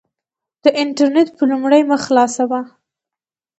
د انټرنېټ په لومړۍ مخ خلاصه وه.